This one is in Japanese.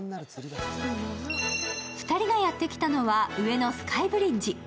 ２人がやってきたのは上野スカイブリッジ。